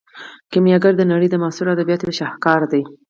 کیمیاګر د نړۍ د معاصرو ادبیاتو یو شاهکار دی.